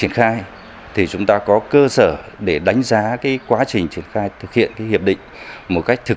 ngành trung ương triển khai thực hiện hiệp định